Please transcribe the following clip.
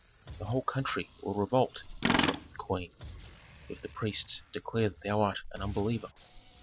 "The whole country will revolt," interrupted the queen, "if the priests declare that thou art an unbeliever."